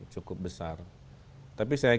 cukup besar tapi saya